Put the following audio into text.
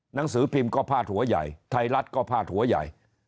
หนังสือพิมพ์ก็พาดหัวใหญ่ไทยรัฐก็พาดหัวใหญ่